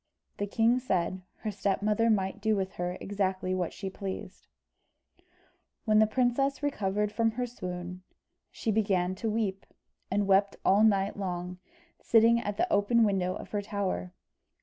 The king said, her stepmother might do with her exactly what she pleased. When the princess recovered from her swoon, she began to weep, and wept all night long, sitting at the open window of her tower.